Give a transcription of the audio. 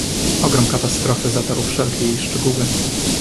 "Ogrom katastrofy zatarł wszelkie jej szczegóły."